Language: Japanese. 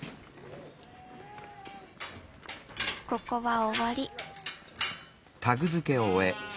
ここはおわり。